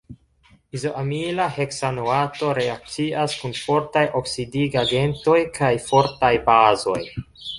Izoamila heksanoato reakcias kun fortaj oksidigagentoj kaj fortaj bazoj.